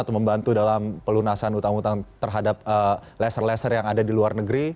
atau membantu dalam pelunasan utang utang terhadap laser laser yang ada di luar negeri